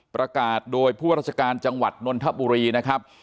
ประกาศโดยผู้ราชการจังหวัดนนทบุรีนะครับ